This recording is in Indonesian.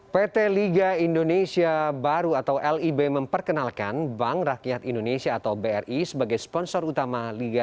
pt liga indonesia baru atau lib memperkenalkan bank rakyat indonesia atau bri sebagai sponsor utama liga satu dua ribu dua puluh satu dua ribu dua puluh dua